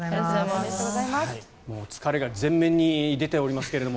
疲れが前面に出ておりますけれども。